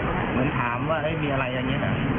เหมือนถามว่ามีอะไรอย่างนี้เหรอ